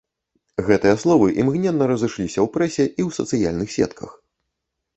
Гэтыя словы імгненна разышліся ў прэсе і ў сацыяльных сетках.